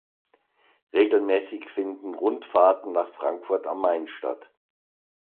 Regelmäßig finden Rundfahrten nach Frankfurt am Main statt.